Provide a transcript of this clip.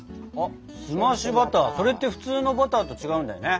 澄ましバターそれって普通のバターと違うんだよね。